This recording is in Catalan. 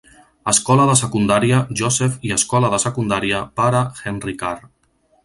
Escola de secundària Joseph i Escola de secundària Pare Henry Carr.